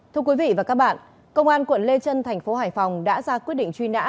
thưa quý vị và các bạn công an quận lê trân thành phố hải phòng đã ra quyết định truy nã